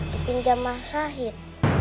dipinjam mas sahid